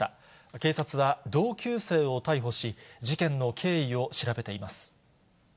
警察は、同級生を逮捕し、事件の経緯を調べています。